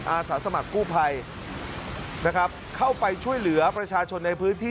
อาสาสมัครกู้ภัยนะครับเข้าไปช่วยเหลือประชาชนในพื้นที่